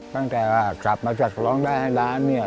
ตั้งแต่กลับมาจากร้องได้ให้ล้านเนี่ย